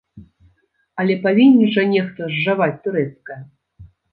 Але павінен жа нехта зжаваць турэцкае?